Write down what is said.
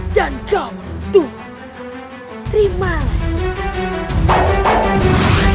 dan kau itu